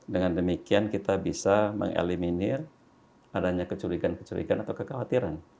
dengan demikian kita bisa mengeliminir adanya kecurigaan kecurigaan atau kekhawatiran